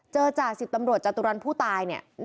จ่าสิบตำรวจจตุรันผู้ตายเนี่ย